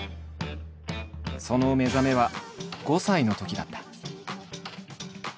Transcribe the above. その目覚めは５歳のときだった。